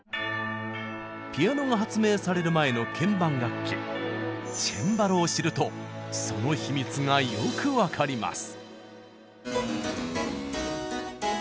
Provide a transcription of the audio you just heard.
ピアノが発明される前の鍵盤楽器チェンバロを知るとそのヒミツがよく分かります。